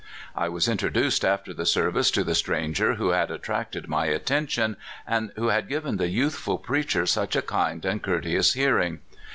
I was introduced after the service to the stranger who had attracted my attention, and who had given the youthful preacher such a kind and courteous hearing.